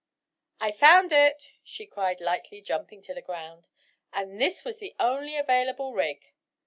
"I found it," she cried lightly jumping to the ground, "and this was the only available rig!"